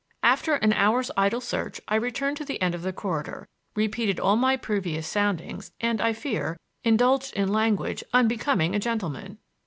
After an hour's idle search I returned to the end of the corridor, repeated all my previous soundings, and, I fear, indulged in language unbecoming a gentleman.